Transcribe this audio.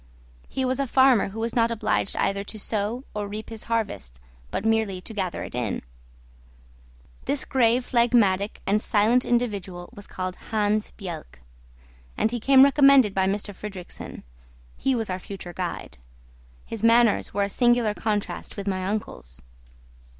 He was a farmer who was not obliged either to sow or reap his harvest, but merely to gather it in. This grave, phlegmatic, and silent individual was called Hans Bjelke; and he came recommended by M. Fridrikssen. He was our future guide. His manners were a singular contrast with my uncle's.